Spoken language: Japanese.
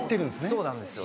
そうなんですよ。